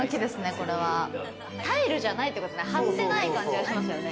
タイルじゃないってことね、貼ってない感じがしますよね。